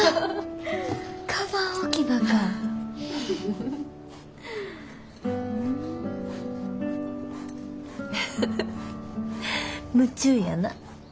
フフフフ夢中やな。